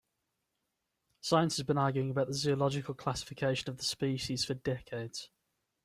Science has been arguing about the zoological classification of the species for decades.